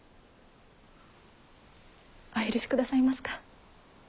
お許しくださいますか？